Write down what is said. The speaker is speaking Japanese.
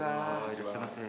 いらっしゃいませ。